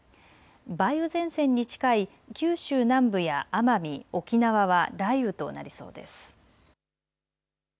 梅雨前線に近い九州南部や奄美、沖縄は雷雨となりそうです。